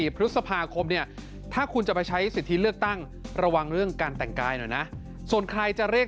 พฤษภาคมเนี่ยถ้าคุณจะไปใช้สิทธิเลือกตั้งระวังเรื่องการแต่งกายหน่อยนะส่วนใครจะเรียก